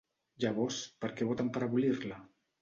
Llavors, per què voten per abolir-la?